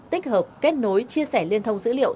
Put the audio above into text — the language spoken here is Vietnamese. tích hợp kết nối chia sẻ liên thông dữ liệu